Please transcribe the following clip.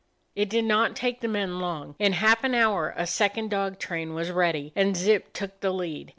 It did not take the men long. In half an hour a second dog train was ready, and Zip took the lead.